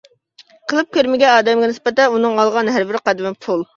قىلىپ كۆرمىگەن ئادەمگە نىسبەتەن ئۇنىڭ ئالغان ھەربىر قەدىمى پۇل!